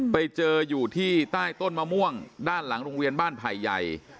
ไปเจออยู่ที่ใต้ต้นมะม่วงด้านหลังโรงเรียนบ้านไผ่ใหญ่